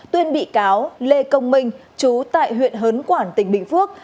tuyên bị cáo lê công minh chú tại huyện hấn quảng tỉnh bình phước